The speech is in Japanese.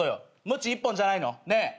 むち１本じゃないの？ねえ。